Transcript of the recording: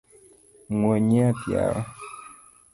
Muony yath yawa.